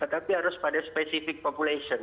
tapi harus pada spesifik population